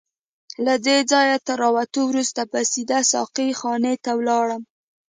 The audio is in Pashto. له دې ځایه تر راوتو وروسته به سیده ساقي خانې ته ولاړم.